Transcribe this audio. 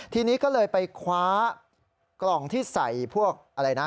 ทีนี้ก็เลยไปคว้ากล่องที่ใส่พวกอะไรนะ